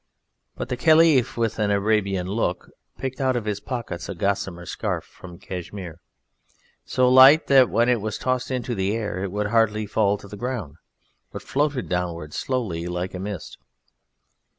But the Kaliph, with an Arabian look, picked out of his pocket a gossamer scarf from Cashmir, so light that when it was tossed into the air it would hardly fall to the ground, but floated downwards slowly like a mist.